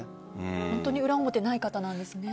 本当に裏表ない方なんですね。